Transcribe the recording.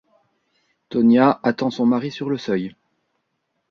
Togna attend son mari sur le seuil.